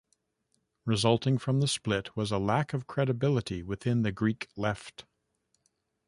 Resulting from the split was a lack of credibility within the Greek Left.